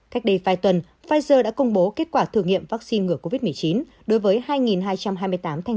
cách đây vài tuần pfizer đã công bố kết quả thử nghiệm vaccine ngừa covid một mươi chín đối với hai hai trăm hai mươi tám thanh